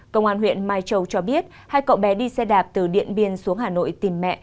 công an huyện mai châu cho biết hai cậu bé đi xe đạp từ điện biên xuống hà nội tìm mẹ